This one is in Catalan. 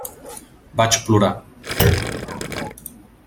Vaig plorar.